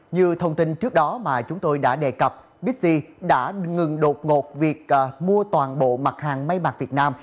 như thông tin trước đó mà chúng tôi đã đề cập bixi đã ngừng đột ngột việc mua toàn bộ mặt hàng may mặt việt nam